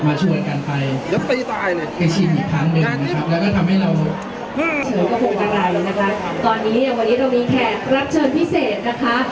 ทำไมที่ฉันรู้สึกว่าเทียนมันจะเบาไว้หลับทำไมบอกไม่ถูก